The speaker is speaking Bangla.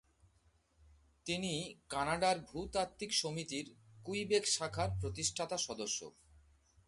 তিনি কানাডার ভূতাত্ত্বিক সমিতির কুইবেক শাখার প্রতিষ্ঠাতা সদস্য।